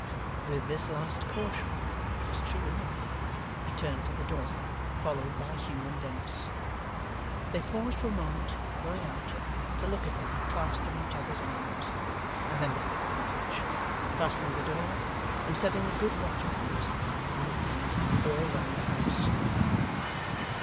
With this last caution, which was true enough, he turned to the door, followed by Hugh and Dennis. They paused for a moment, going out, to look at them clasped in each other's arms, and then left the cottage; fastening the door, and setting a good watch upon it, and indeed all round the house.